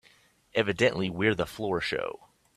Evidently we're the floor show.